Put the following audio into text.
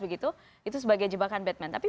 begitu itu sebagai jebakan batman tapi